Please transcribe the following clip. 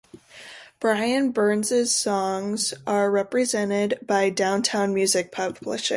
Brian Byrnes' songs are represented by Downtown Music Publishing.